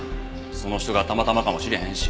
その人がたまたまかもしれへんし。